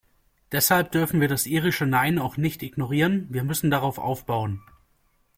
Deshalb dürfen wir das irische "Nein" auch nicht ignorieren, wir müssen darauf aufbauen.